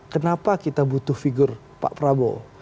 kenapa kita butuh figur pak prabowo